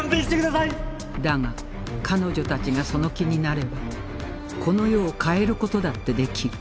だが彼女たちがその気になればこの世を変える事だってできる